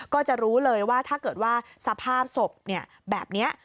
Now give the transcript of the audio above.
ก็จะรู้เลยว่าถ้าเกิดว่าสภาพศพแบบนี้